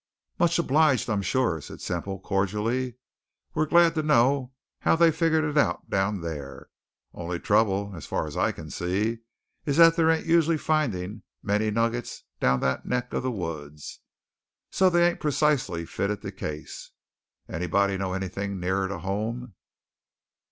"Much obliged, I'm sure," said Semple cordially. "We're glad to know how they've figgered it out down thar. Only trouble, as far as I see, is that they ain't usually findin' many nuggets down that neck of the woods; so they ain't precisely fitted the case. Anybody know anything nearer to home?"